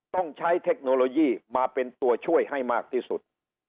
ต้องใช้เทคโนโลยีมาเป็นตัวช่วยให้มากที่สุด